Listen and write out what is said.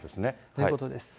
ということです。